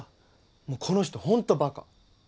もうこの人ほんとバカ。